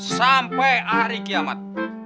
sampai hari kiamat